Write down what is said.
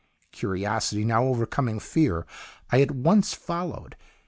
"Curiosity now overcoming fear, I at once followed.